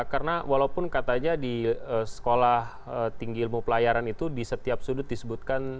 karena walaupun katanya di sekolah tinggi ilmu pelayaran itu di setiap sudut disebutkan